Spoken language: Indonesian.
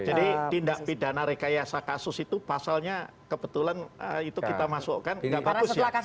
jadi tindak pidana rekayasa kasus itu pasalnya kebetulan itu kita masukkan nggak bagus ya